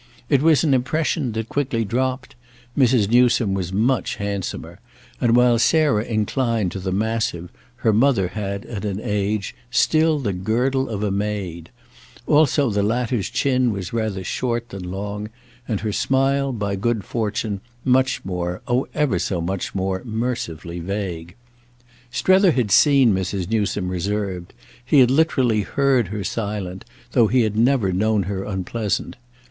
It was an impression that quickly dropped; Mrs. Newsome was much handsomer, and while Sarah inclined to the massive her mother had, at an age, still the girdle of a maid; also the latter's chin was rather short, than long, and her smile, by good fortune, much more, oh ever so much more, mercifully vague. Strether had seen Mrs. Newsome reserved; he had literally heard her silent, though he had never known her unpleasant.